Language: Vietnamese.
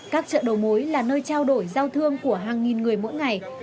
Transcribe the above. các chợ đầu mối là nơi trao đổi giao thương của hàng nghìn người mỗi ngày